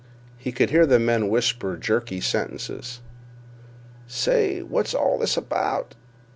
He could hear the men whisper jerky sentences: "Say—what's all this—about?"